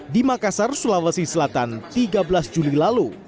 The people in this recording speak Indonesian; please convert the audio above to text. di makassar sulawesi selatan tiga belas juli lalu